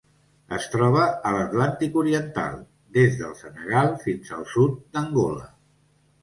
Es troba a l'Atlàntic oriental: des del Senegal fins al sud d'Angola.